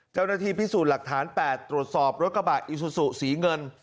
เจ้าหน้าที่พิสูจน์หลักฐาน๘ตรวจสอบรถกระบะอิซูซูสีเงิน